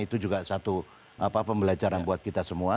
itu juga satu pembelajaran buat kita semua